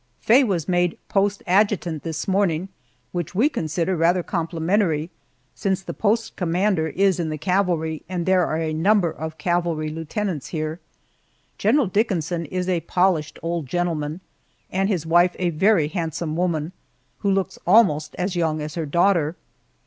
Faye was made post adjutant this morning, which we consider rather complimentary, since the post commander is in the cavalry, and there are a number of cavalry lieutenants here. General Dickinson is a polished old gentleman, and his wife a very handsome woman who looks almost as young as her daughter.